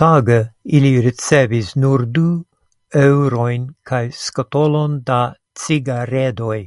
Tage ili ricevis nur du eŭrojn kaj skatolon da cigaredoj.